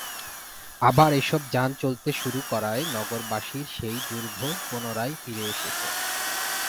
আবার এসব যান চলতে শুরু করায় নগরবাসীর সেই দুর্ভোগ পুনরায় ফিরে এসেছে।